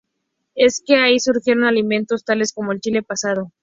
Es así que surgieron alimentos tales como el chile pasado.